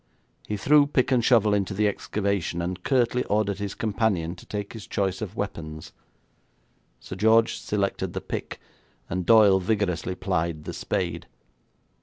He threw pick and shovel into the excavation, and curtly ordered his companion to take his choice of weapons. Sir George selected the pick, and Doyle vigorously plied the spade.